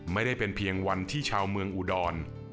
ไม่ได้เป็นเพียงวันที่ชาวเมืองอุดร